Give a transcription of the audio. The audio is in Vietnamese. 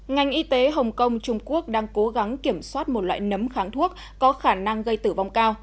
ngành y tế hồng kông trung quốc đang cố gắng kiểm soát một loại nấm kháng thuốc có khả năng gây tử vong cao